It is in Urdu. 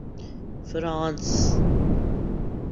فرانس